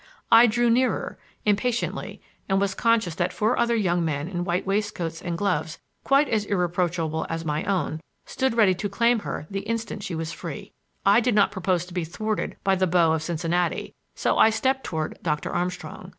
I drew nearer, impatiently; and was conscious that four other young men in white waistcoats and gloves quite as irreproachable as my own stood ready to claim her the instant she was free. I did not propose to be thwarted by the beaux of Cincinnati, so I stepped toward Doctor Armstrong.